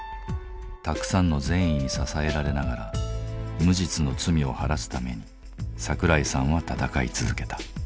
たくさんの善意に支えられながら無実の罪を晴らすために桜井さんは闘い続けた。